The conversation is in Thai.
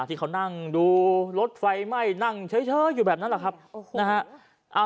ที่เขานั่งดูรถไฟไหม้นั่งเฉยอยู่แบบนั้นแหละครับนะฮะ